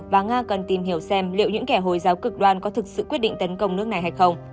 và nga cần tìm hiểu xem liệu những kẻ hồi giáo cực đoan có thực sự quyết định tấn công nước này hay không